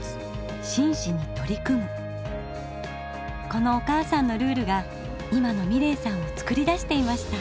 このお母さんのルールが今の美礼さんを作り出していました。